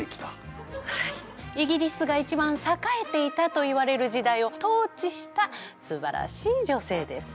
はいイギリスが一番栄えていたといわれる時代を統治したすばらしい女性です。